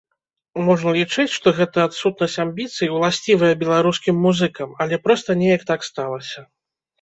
Можна лічыць, што гэта адсутнасць амбіцый, уласцівая беларускім музыкам, але проста неяк так сталася.